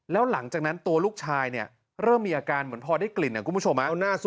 แล้วหลังจากนั้นตัวลูกชายเริ่มมีอาการเหมือนพ่อได้กลิ่น